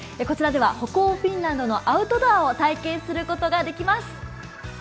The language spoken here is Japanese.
こちらでは北欧フィンランドのアウトドアを体験することができます。